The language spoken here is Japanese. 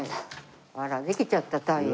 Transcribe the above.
あらできちゃった太陽。